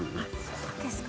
そうですか。